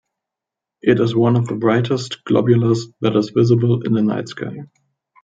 It is one of the brightest globulars that is visible in the night sky.